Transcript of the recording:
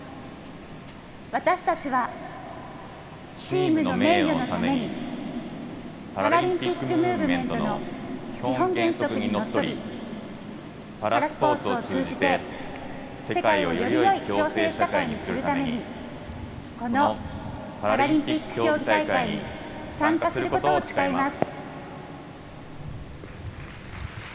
私たちは、チームの名誉のためにパラリンピックムーブメントの基本原則にのっとりパラスポーツを通じて世界をよりよい共生社会にするためにこのパラリンピック競技大会に参加することを誓います。